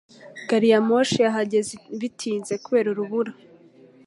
Gariyamoshi yahageze bitinze kubera urubura.